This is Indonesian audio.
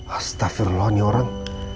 astagfirullah nih orang